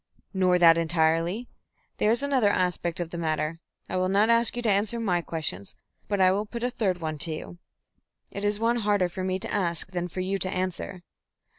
"Nor that entirely. There is another aspect of the matter. I will not ask you to answer my questions, but I will put a third one to you. It is one harder for me to ask than for you to answer.